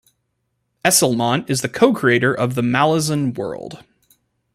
Esslemont is the co-creator of the Malazan world.